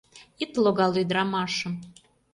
Ит логал ӱдырамашым!